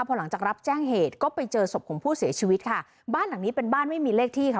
พอหลังจากรับแจ้งเหตุก็ไปเจอศพของผู้เสียชีวิตค่ะบ้านหลังนี้เป็นบ้านไม่มีเลขที่ค่ะ